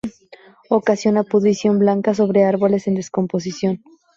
Ocasiona pudrición blanca sobre árboles en descomposición.